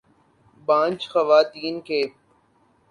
بانجھ خواتین کے